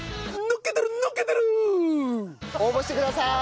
応募してくださーい。